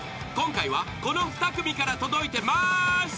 ［今回はこの２組から届いてます。